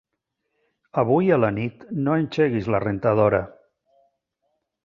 Avui a la nit no engeguis la rentadora.